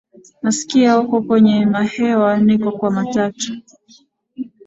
nasikia uko kwenye mahewa niko kwa matatu